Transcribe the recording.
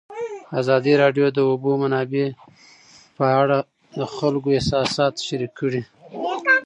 ازادي راډیو د د اوبو منابع په اړه د خلکو احساسات شریک کړي.